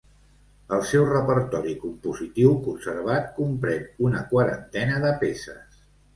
El seu repertori compositiu conservat comprèn una quarantena de peces.